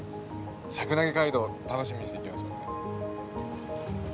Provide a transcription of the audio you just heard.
シャクナゲ街道楽しみにしていきましょうね。